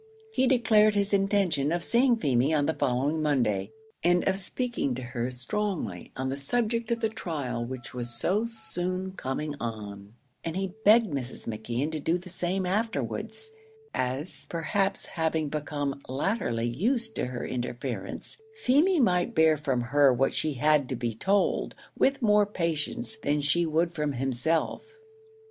He declared his intention of seeing Feemy on the following Monday, and of speaking to her strongly on the subject of the trial which was so soon coming on; and he begged Mrs. McKeon to do the same afterwards as perhaps having become latterly used to her interference, Feemy might bear from her what she had to be told, with more patience than she would from himself.